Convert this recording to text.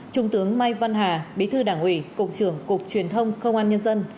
trung tướng mai văn hà bí thư đảng ủy cục trưởng cục truyền thông công an nhân dân